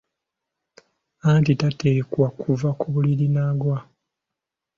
Anti tateekwa kuva ku buliri n’agwa.